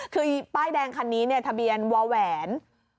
คือป้ายแดงคันนี้ทะเบียนวาแหวน๐๖๑๒